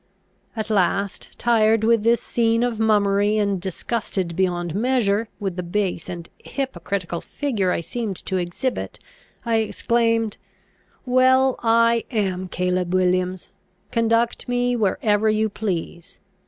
At last, tired with this scene of mummery, and disgusted beyond measure with the base and hypocritical figure I seemed to exhibit, I exclaimed, "Well, I am Caleb Williams; conduct me wherever you please!